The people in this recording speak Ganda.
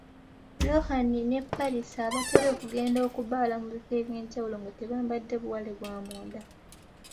Lohan ne Palis abatera okugenda okubbaala mu bifo eby’enjawulo nga tebambadde buwale bw’amunda.